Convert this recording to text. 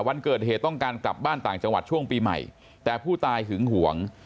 วันเกิดเหตุต้องการกลับบ้านต่างจังหวัดช่วงปีใหม่แต่ผู้ตายหึงห่วง